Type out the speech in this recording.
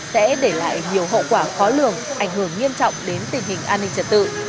sẽ để lại nhiều hậu quả khó lường ảnh hưởng nghiêm trọng đến tình hình an ninh trật tự